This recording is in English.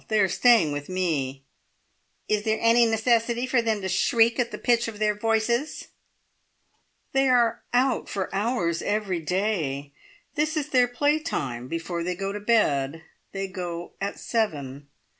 They are staying with me." "Is there any necessity for them to shriek at the pitch of their voices?" "They are out for hours every day. This is their play time before they go to bed. They go at seven."